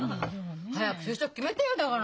早く就職決めてよだから！